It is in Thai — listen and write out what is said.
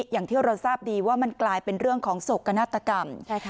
อย่างที่เราทราบดีว่ามันกลายเป็นเรื่องของโศกอย่างน่ะเถอะกล่ำ